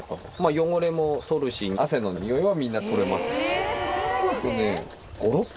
汚れも取るし汗のにおいはみんな取れます。